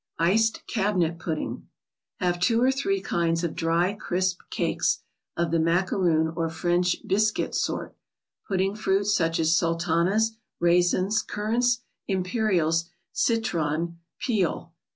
%eD Cabinet #UDDiUg. Have two or three kinds of dry, crisp cakes, of the macaroon, or French biscuit sort; pudding fruits, as sultanas, raisins, currants, imperials, citron, peel.